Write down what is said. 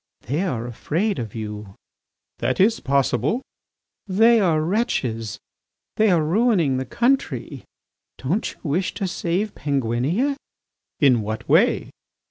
They are afraid of you." "That is possible." "They are wretches; they are ruining the country. Don't you wish to save Penguinia? "In what way?"